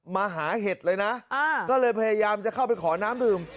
มาหาเห็ดเลยนะก็เลยพยายามจะเข้าไปขอน้ำดื่ม